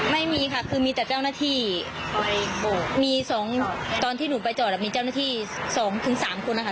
ไม่มีค่ะคือมีแต่เจ้าหน้าที่มีสองตอนที่หนูไปจอดมีเจ้าหน้าที่สองถึงสามคนนะคะ